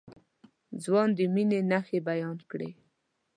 ځوان د مينې نښې بيان کړې.